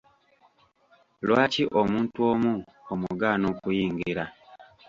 Lwaki omuntu omu omugaana okuyingira?